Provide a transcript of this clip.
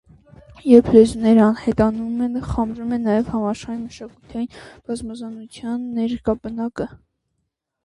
Երբ լեզուներն անհետանում են, խամրում է նաև համաշխարհային մշակութային բազմազանության ներկապնակը։